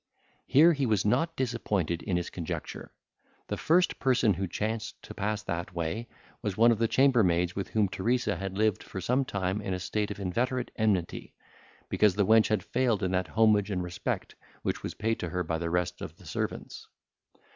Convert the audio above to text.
Here he was not disappointed in his conjecture. The first person who chanced to pass that way, was one of the chambermaids, with whom Teresa had lived for some time in a state of inveterate enmity, because the wench had failed in that homage and respect which was paid to her by the rest of the servants.